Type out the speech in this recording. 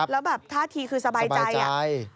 แล้วแบบท่าทีคือสบายใจอ่ะ